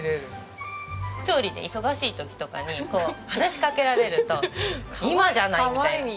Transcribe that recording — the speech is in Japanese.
調理で忙しい時とかにこう話しかけられると「今じゃない」みたいな。構いに。